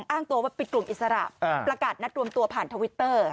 อ้างตัวว่าปิดกลุ่มอิสระประกาศนัดรวมตัวผ่านทวิตเตอร์